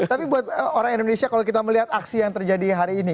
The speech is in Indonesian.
tapi buat orang indonesia kalau kita melihat aksi yang terjadi hari ini